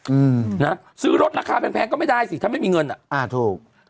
อืมนะซื้อรถราคาแพงแพงก็ไม่ได้สิถ้าไม่มีเงินอ่ะอ่าถูก